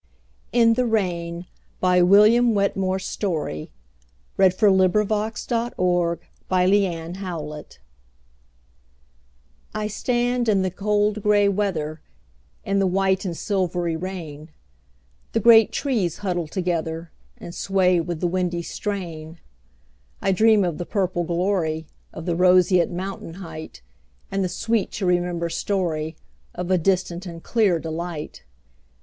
an Verse. 1912. William Wetmore Story 1819–1895 William Wetmore Story 123 In the Rain I STAND in the cold gray weather, In the white and silvery rain; The great trees huddle together, And sway with the windy strain.I dream of the purple gloryOf the roseate mountain heightAnd the sweet to remember storyOf a distant and clear delight.